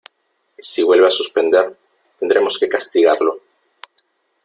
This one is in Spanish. Si vuelve a suspender, tendremos que castigarlo.